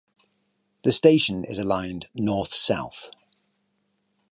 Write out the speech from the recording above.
The station is aligned north-south.